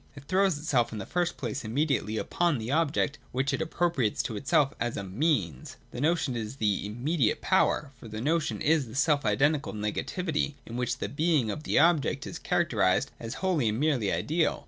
It throws itself in the first place immediately upon the object, which it appropriates to itself as a Means. The notion is this immediate power ; for the notion is the self identical negativity, in which the being of the object is characterised as wholly and merely ideal.